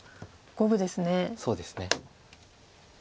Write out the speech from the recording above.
そうですね。